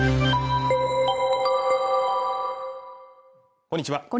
こんにちは